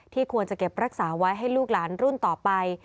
ควรจะเก็บรักษาไว้ให้ลูกหลานรุ่นต่อไป